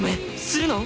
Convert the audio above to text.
するの？